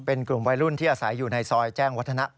เป็นกลุ่มวัยรุ่นที่อาศัยอยู่ในซอยแจ้งวัฒนะ